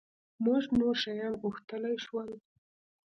مونږ نور شیان غوښتلای شول.